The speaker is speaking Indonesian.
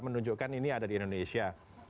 menunjukkan ini ada di indonesia